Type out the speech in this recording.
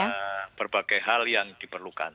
ada berbagai hal yang diperlukan